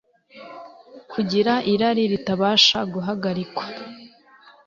kugira irari ritabasha guhagarikwa